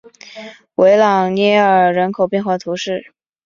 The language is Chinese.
维朗涅尔人口变化图示